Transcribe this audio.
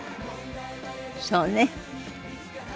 そうね。